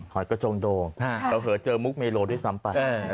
อยกระจงโดงเผลอเจอมุกเมโลด้วยซ้ำไป